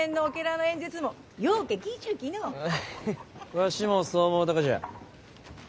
わしもそう思うたがじゃ。